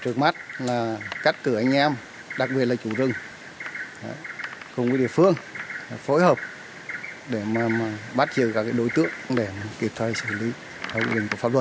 trước mắt là cách cửa anh em đặc biệt là chủ rừng cùng với địa phương phối hợp để mà bắt giữ cả đối tượng để kịp thay xử lý hậu dịch của pháp luật